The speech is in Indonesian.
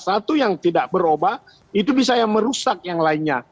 satu yang tidak berubah itu bisa yang merusak yang lainnya